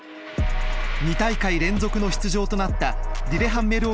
２大会連続の出場となったリレハンメル